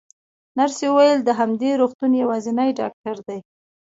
نرسې وویل: دی د همدې روغتون یوازینی ډاکټر دی.